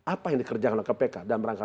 apa yang dikerjakan oleh kpk dalam rangka